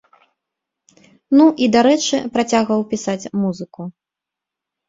Ну, і, дарэчы, працягваў пісаць музыку.